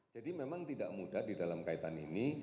jadi memang tidak mudah di dalam kaitan ini